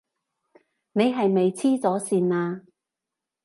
你係咪痴咗線呀？